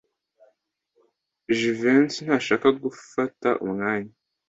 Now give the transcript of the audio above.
Jivency ntashaka gufata umwanya.